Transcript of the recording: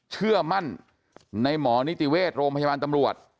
เชื่อมั่นในหมอนิติเวชโรงพยาบาลตำรวจ